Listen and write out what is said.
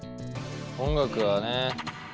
音楽はね。